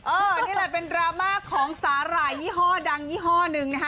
อันนี้แหละเป็นดราม่าของสาหร่ายยี่ห้อดังยี่ห้อหนึ่งนะคะ